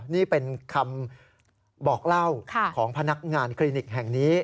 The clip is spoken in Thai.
นี่เป็นคำบอกเล่าของพนักงานคลินิกแห่งนี้